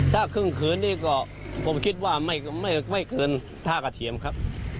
ถ้าขึ้นขืนดีกว่าผมคิดว่าไม่ขึ้นท่ากระเทียมครับ